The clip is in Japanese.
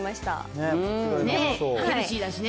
ヘルシーだしね。